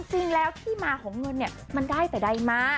จริงแล้วที่มาของเงินเนี่ยมันได้แต่ใดมา